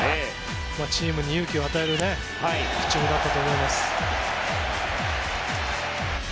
チームに勇気を与えるピッチングだったと思います。